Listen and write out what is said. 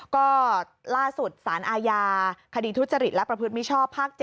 ก็ล่าสุดสารอาญาคดีทุจริตและประพฤติมิชชอบภาค๗